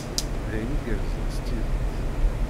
D ayen igerrzen s tidet.